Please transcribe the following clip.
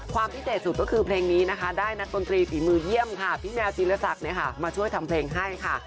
ความพิเศษสุดก็คือเพลงนี้นะคะได้นักดนตรีฝีมือเยี่ยมค่ะพี่แมวจีรศักดิ์มาช่วยทำเพลงให้ค่ะ